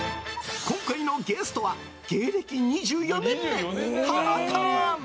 今回のゲストは芸歴２４年目、ハマカーン！